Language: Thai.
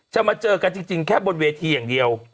มาเจอกันจริงแค่บนเวทีอย่างเดียว